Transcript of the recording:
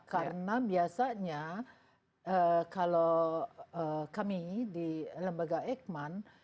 karena biasanya kalau kami di lembaga eijkman